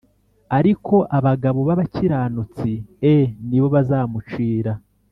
Ariko abagabo b abakiranutsi e ni bo bazamucira